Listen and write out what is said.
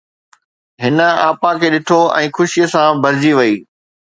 هن آپا کي ڏٺو ۽ خوشيءَ سان ڀرجي وئي.